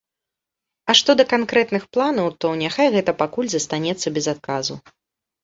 А што да канкрэтных планаў, то няхай гэта пакуль застанецца без адказу.